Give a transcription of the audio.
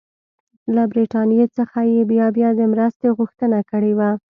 له برټانیې څخه یې بیا بیا د مرستې غوښتنه کړې وه.